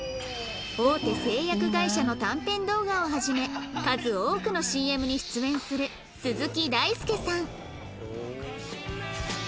大手製薬会社の短編動画をはじめ数多くの ＣＭ に出演する鈴木大介さん